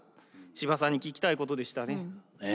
司馬さんに聞きたいことでしたね。